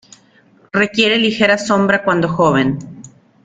Requiere ligera sombra cuando joven.